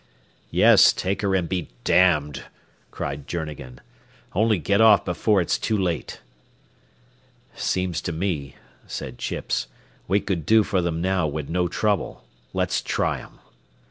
"Yes, take her and be damned!" cried Journegan. "Only get off before it's too late." "Seems to me," said Chips, "we could do for them now wid no trouble. Let's try 'em."